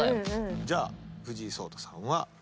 じゃあ藤井聡太さんは。